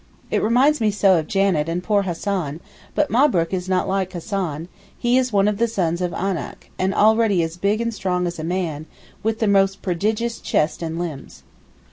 It reminds me so of Janet and poor Hassan, but Mabrook is not like Hassan, he is one of the sons of Anak, and already as big and strong as a man, with the most prodigious chest and limbs.